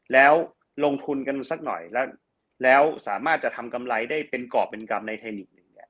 แล้วลงทุนกันสักหน่อยแล้วสามารถจะทำกำไรได้เป็นกรอบเป็นกรรมในไทย๑